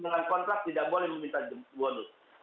dengan kontrak tidak boleh meminta bonus